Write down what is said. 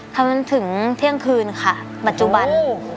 ทำจนถึงเที่ยงคืนค่ะปัจจุบัน